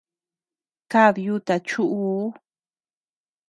Kad yuta chuʼuu.